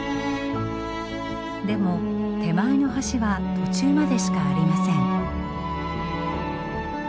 でも手前の橋は途中までしかありません。